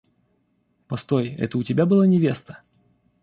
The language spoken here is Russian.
Постой, это у тебя была невеста?